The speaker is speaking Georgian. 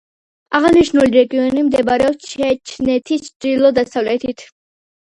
აღნიშნული რეგიონი მდებარეობს ჩეჩნეთის ჩრდილო-დასავლეთით.